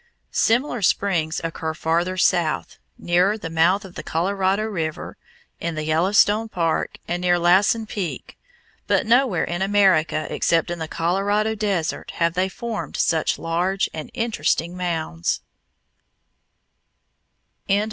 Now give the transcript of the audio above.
Similar springs occur farther south, nearer the mouth of the Colorado River, in the Yellowstone Park, and near Lassen Peak, but nowhere in America except in the Colorado desert have they formed such large and interesting mounds.